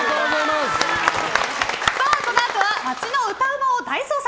このあとは街の歌うまを大捜索。